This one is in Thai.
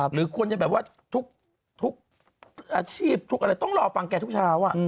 หรือคนจะแบบว่าทุกอาชีพทุกอะไรต้องรอฟังแกทุกเช้า